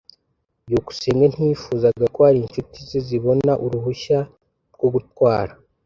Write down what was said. byukusenge ntiyifuzaga ko hari inshuti ze zibona uruhushya rwo gutwara.